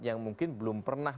yang mungkin belum pernah